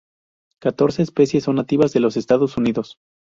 Catorce especies son nativas de los Estados Unidos.